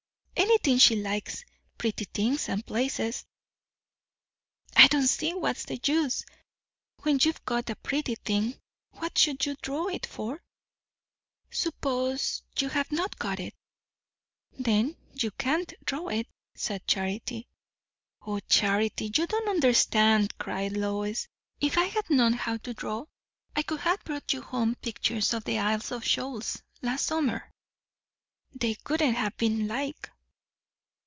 "Anything she likes. Pretty things, and places." "I don't see what's the use. When you've got a pretty thing, what should you draw it for?" "Suppose you have not got it." "Then you can't draw it," said Charity. "O Charity, you don't understand," cried Lois. "If I had known how to draw, I could have brought you home pictures of the Isles of Shoals last summer." "They wouldn't have been like."